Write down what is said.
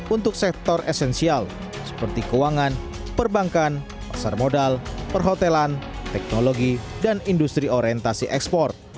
untuk sektor esensial seperti keuangan perbankan pasar modal perhotelan teknologi dan industri orientasi ekspor